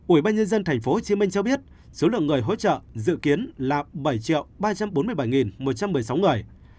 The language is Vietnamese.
ủy ban nhân dân thành phố hồ chí minh cho biết số lượng người hỗ trợ dự kiến là bảy triệu ba trăm bốn mươi bảy nghìn một trăm một mươi sáu người